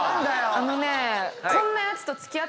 あのね。